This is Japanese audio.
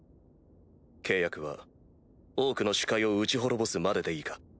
契約はオークの首魁を討ち滅ぼすまででいいか？